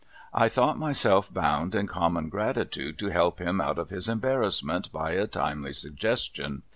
I thought myself bound, in common gratitude, to help him out of his embarrassment by a timely suggestion.